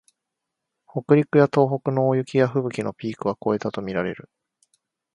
北陸や東北の大雪やふぶきのピークは越えたとみられる